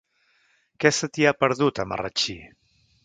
Què se t'hi ha perdut, a Marratxí?